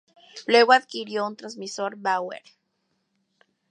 Luego adquirió un transmisor Bauer.